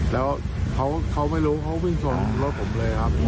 แล้วเขาไม่รู้เขาวิ่งส่งรถผมเลยครับ